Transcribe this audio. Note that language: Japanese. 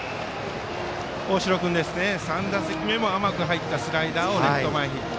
大城君、３打席目も甘く入ったスライダーをレフト前ヒット。